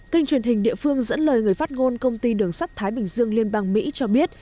kênh truyền hình địa phương dẫn lời người phát ngôn công ty đường sắt thái bình dương liên bang mỹ cho biết